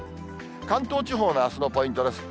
関東地方のあすのポイントです。